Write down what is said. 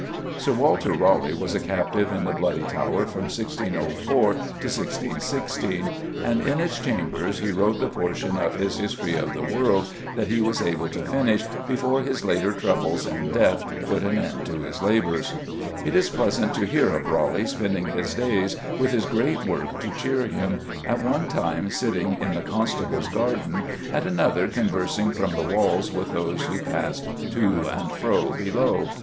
Sir Walter Raleigh was a captive in the Bloody Tower from 1604 1616, and in its chambers he wrote the portion of his History of the World that he was able to finish before his later troubles and death put an end to his labours. It is pleasant to hear of Raleigh spending his days, with his great work to cheer him, at one time sitting in the Constable's garden, at another conversing from the walls with those who passed to and fro below.